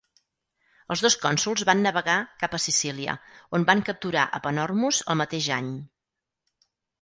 Els dos cònsols van navegar cap a Sicília, on van capturar a Panormus el mateix any.